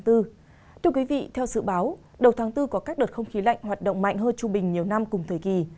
thưa quý vị theo dự báo đầu tháng bốn có các đợt không khí lạnh hoạt động mạnh hơn trung bình nhiều năm cùng thời kỳ